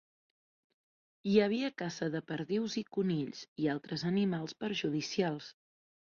Hi havia caça de perdius i conills, i altres animals perjudicials.